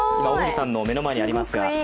小栗さんの目の前にありますが。